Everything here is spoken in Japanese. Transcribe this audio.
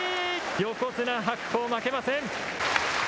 横綱・白鵬、負けません。